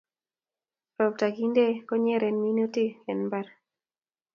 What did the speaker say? roptaa kintee konyeren minutik en mbar